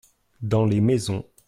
Dans les maisons.